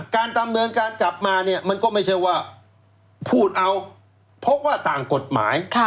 การดำเนินการกลับมาเนี่ยมันก็ไม่ใช่ว่าพูดเอาเพราะว่าต่างกฎหมาย